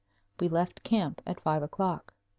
We left camp at five o'clock.